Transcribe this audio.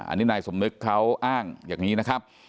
อันนี้นายสมนึกเขาอ้างอย่างนี้นะครับ